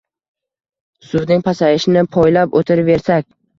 Suvning pasayishini poylab o‘tiraversak.